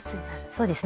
そうですね。